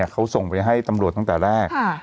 เขาส่งไปให้ตำรวจตั้งแต่แรก